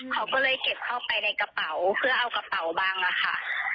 เขาก็เลยเก็บเข้าไปในกระเป๋าเพื่อเอากระเป๋าบังอะค่ะ